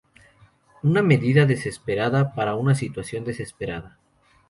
Una medida desesperada para una situación desesperada.